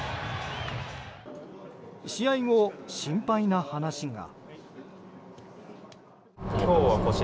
試合後、心配な話が。